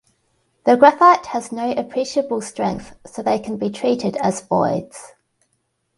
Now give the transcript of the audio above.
The graphite has no appreciable strength, so they can be treated as voids.